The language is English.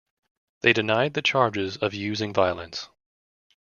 They denied the charges of using violence.